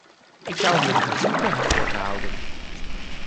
Ik zou hem willen verzoeken het kort te houden.